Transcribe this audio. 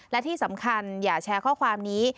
และที่สำคัญอย่าแชร์ข้อความนี้